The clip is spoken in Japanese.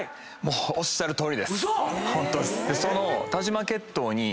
おっしゃるとおりです。